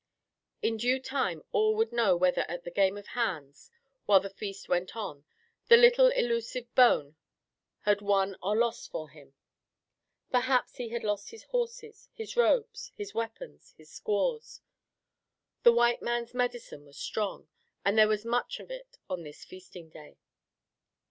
In due time all would know whether at the game of "hands," while the feast went on, the little elusive bone had won or lost for him. Perhaps he had lost his horses, his robes, his weapons his squaws. The white man's medicine was strong, and there was much of it on his feasting day.